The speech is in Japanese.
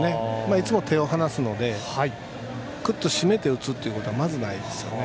いつも手を離すのでくっと締めて打つことはまずないですよね。